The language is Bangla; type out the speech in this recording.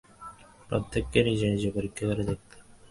প্রত্যেককে নিজে নিজে পরীক্ষা করে দেখতে হবে।